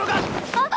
あっ！